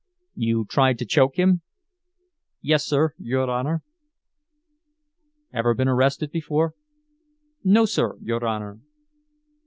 "You tried to choke him?" "Yes, sir, your Honor." "Ever been arrested before?" "No, sir, your Honor."